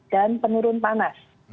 dan penurun panas